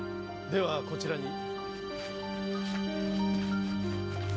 ではこちらに。